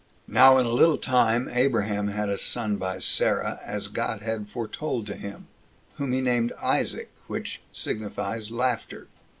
2. Now in a little time Abraham had a son by Sarah, as God had foretold to him, whom he named Isaac, which signifies Laughter.